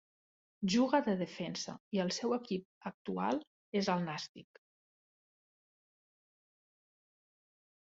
Juga de defensa i el seu equip actual és el Nàstic.